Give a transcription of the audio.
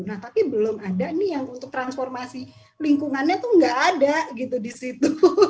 nah tapi belum ada nih yang untuk transformasi lingkungannya tuh nggak ada gitu di situ